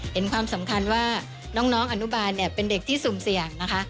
เห็นความสำคัญว่าน้องอนุบาลเนี่ยเป็นเด็กที่สุ่มเสี่ยงนะคะ